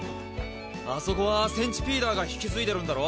あそこはセンチピーダーが引き継いでるんだろ！？